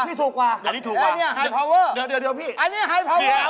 เดี๋ยวพี่